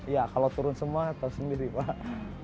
ya kalau turun semua atau sendiri pak